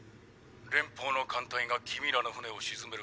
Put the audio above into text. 連邦の艦隊が君らの艦を沈める。